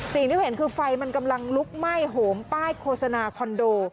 สิ่งที่เห็นคือไฟมันกำลังลุกไหม้โหมป้ายโฆษณาคอนโด